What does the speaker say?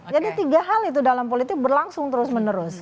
jadi tiga hal itu dalam politik berlangsung terus menerus